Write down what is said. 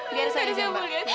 lihat dia di sebelah